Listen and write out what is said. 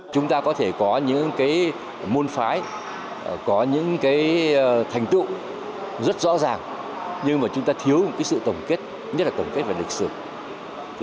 chúng ta có thể có những cái môn phái có những cái thành tựu rất rõ ràng nhưng mà chúng ta thiếu cái sự tổng kết nhất là tổng kết về lịch sử